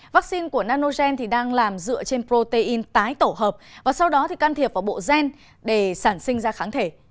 vaccine của nanogen đang làm dựa trên protein tái tổ hợp và sau đó thì can thiệp vào bộ gen để sản sinh ra kháng thể